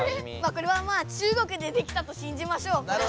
これはまあ中国でできたとしんじましょう。